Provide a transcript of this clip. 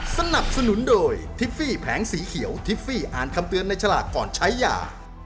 สนับสนุนโดยทิฟฟี่แผงสีเขียวทิฟฟี่อ่านคำเตือนในฉลากก่อนใช้ยา